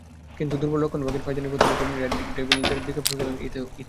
কিন্তু দুর্বল রক্ষণভাগের ফায়দা নিয়ে প্রথমার্ধেই রেড ডেভিলদের বিপাকে ফেলে দেন ইতো।